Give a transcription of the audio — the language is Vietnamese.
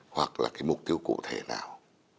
hoặc là cái mục tiêu cụ thể nào